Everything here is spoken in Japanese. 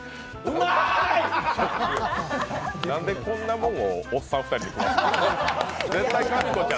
なんでこんなもんをおっさん２人に食わすん。